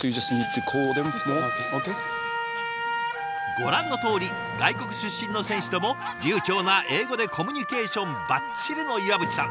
ご覧のとおり外国出身の選手とも流ちょうな英語でコミュニケーションばっちりの岩渕さん。